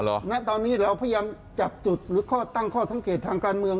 ณตอนนี้เราพยายามจับจุดหรือข้อตั้งข้อสังเกตทางการเมือง